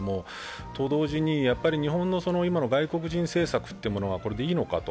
それと同時に、日本の今の外国人政策というものはこれでいいのかと。